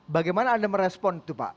bagaimana anda merespon itu pak